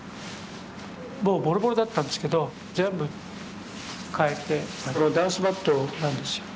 もうボロボロだったんですけど全部変えてこれはダンスマットなんですよ。